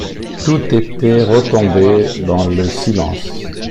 Tout était retombé dans le silence.